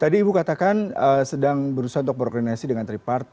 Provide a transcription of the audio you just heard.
tadi ibu katakan sedang berusaha untuk berkoordinasi dengan tripart